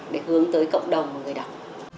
để hướng tới cộng đồng người đọc